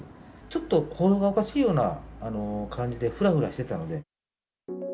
ちょっと行動がおかしいような感じで、ふらふらしてたので。